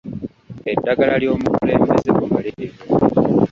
Eddagala ly'omukulembeze bumalirivu.